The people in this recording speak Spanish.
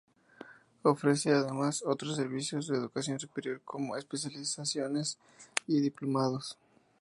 Ofrece, además, otros servicios de educación superior como especializaciones y diplomados.